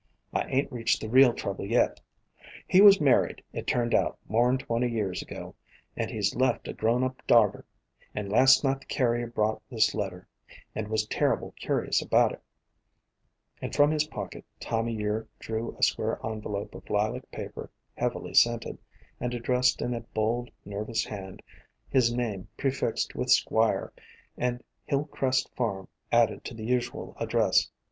I ain't reached the real trouble yet. He was married, it turned out, more 'n twenty years ago, and he 's left a grown up darter, and last night the carrier brought this letter, and was terrible curious about it." And from his pocket Time o' Year drew a square en velope of lilac paper, heavily scented, and addressed in a bold, nervous hand, his name prefixed with Squire, and "Hill Crest Farm" added to the usual address.